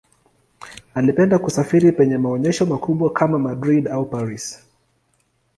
Alipenda kusafiri penye maonyesho makubwa kama Madrid au Paris.